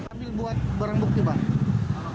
ambil buat barang bukti pak